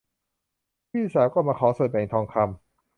พี่สาวก็มาขอส่วนแบ่งทองคำ